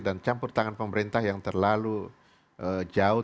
dan campur tangan pemerintah yang terlalu jauh